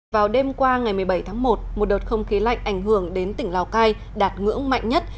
vào đêm qua ngày một mươi bảy tháng một một đợt không khí lạnh ảnh hưởng đến tỉnh lào cai đạt ngưỡng mạnh nhất